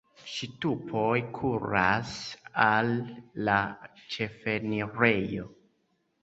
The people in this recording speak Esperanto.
Ŝtupoj kuras al la ĉefenirejo.